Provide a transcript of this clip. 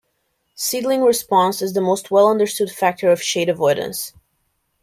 Seedling response is the most well understood factor of shade avoidance.